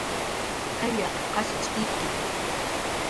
Qayllaq qashich ikki